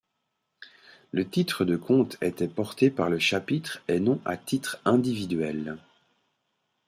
Le titre de comte était porté par le chapitre et non à titre individuel.